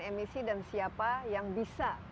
emisi dan siapa yang bisa